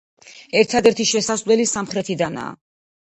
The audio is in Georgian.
ერთადერთი შესასვლელი სამხრეთიდანაა.